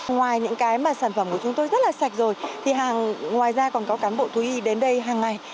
ngoài những cái mà sản phẩm của chúng tôi rất là sạch rồi thì ngoài ra còn có cán bộ thú y đến đây hàng ngày